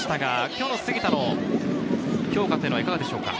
今日の杉田の評価はいかがでしょうか？